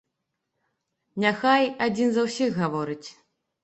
Няхай адзін за ўсіх гаворыць!